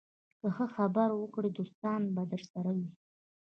که ښه خبرې وکړې، دوستان به درسره وي